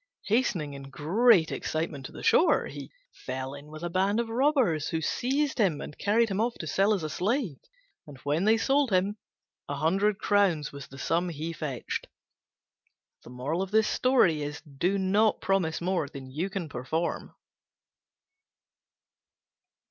Hastening in great excitement to the shore, he fell in with a band of robbers, who seized him and carried him off to sell as a slave: and when they sold him a hundred crowns was the sum he fetched. Do not promise more than you can perform.